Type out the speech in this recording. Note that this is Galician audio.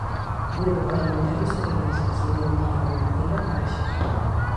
Grupo Parlamentario Socialista, señor Mario Lavandeira Paraxes.